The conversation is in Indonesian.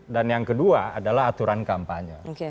dan yang kedua adalah aturan kampanye